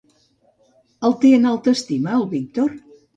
El té en alta estima al Víctor?